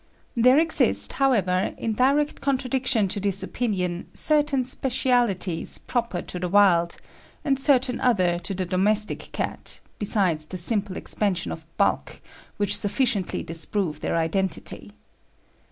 There exist, however, in direct contradiction to this opinion, certain specialities proper to the wild, and certain other to the domestic cat, besides the simple expansion of bulk, which sufficiently disprove their identity.